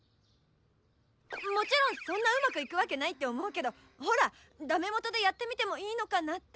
もちろんそんなうまくいくわけないって思うけどほらダメもとでやってみてもいいのかなって。